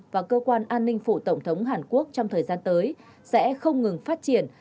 và cơ quan an ninh phụ tổng thống hàn quốc trong thời gian tới sẽ không ngừng phát triển